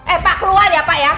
eh pak keluar ya pak ya